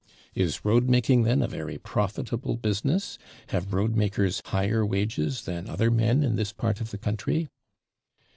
'Is road making, then, a very profitable business? Have road makers higher wages than other men in this part of the country?'